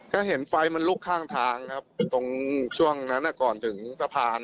ก็เห็นไฟมันลุกข้างทางครับตรงช่วงนั้นก่อนถึงสะพาน